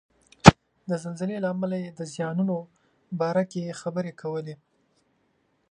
د زلزلې له امله یې د زیانونو باره کې خبرې کولې.